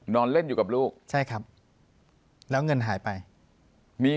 นอนเล่นอยู่กับลูกใช่ครับแล้วเงินหายไปมี